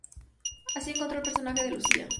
Así encontró al personaje de Lucía.